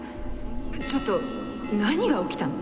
ちょっと何が起きたの？